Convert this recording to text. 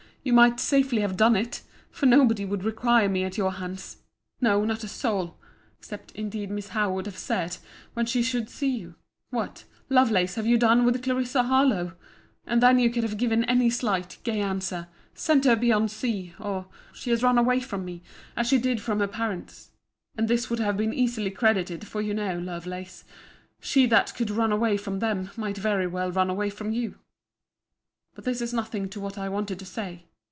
You might safely have done it! For nobody would require me at your hands—no, not a soul—except, indeed, Miss Howe would have said, when she should see you, What, Lovelace, have you done with Clarissa Harlowe?—And then you could have given any slight, gay answer—sent her beyond sea; or, she has run away from me, as she did from her parents. And this would have been easily credited; for you know, Lovelace, she that could run away from them, might very well run away from you. But this is nothing to what I wanted to say.